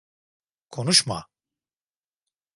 Konuşma!